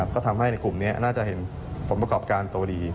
ก็ทำให้ในกลุ่มนี้น่าจะเห็นผลประกอบการโตดี